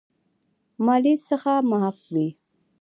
مالیې څخه معاف وي.